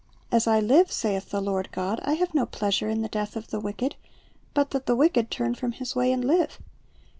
"As I live, saith the Lord God, I have no pleasure in the death of the wicked; but that the wicked turn from his way and live.